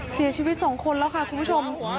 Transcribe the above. เสียชีวิต๒คนแล้วค่ะคุณผู้ชม